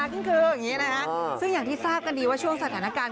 นึกถึงพี่ทศพลหินทภาค